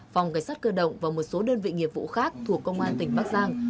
phòng cảnh sát cơ động và một số đơn vị nghiệp vụ khác thuộc công an tỉnh bắc giang